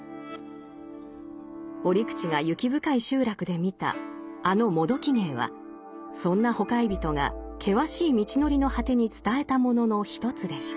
折口が雪深い集落で見たあのもどき芸はそんなほかひゞとが険しい道のりの果てに伝えたものの一つでした。